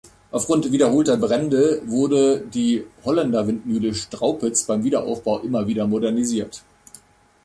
Aufgrund wiederholter Brände wurde die Holländerwindmühle Straupitz beim Wiederaufbau immer wieder modernisiert.